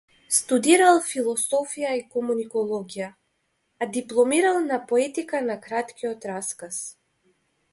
Студирал философија и комуникологија, а дипломирал на поетика на краткиот раказ.